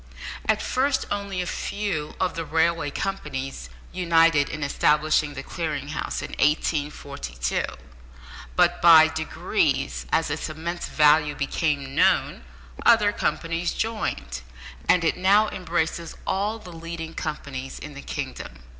At first only a few of the railway companies united in establishing the Clearing House in 1842, but by degrees, as its immense value became known, other companies joined, and it now embraces all the leading companies in the kingdom.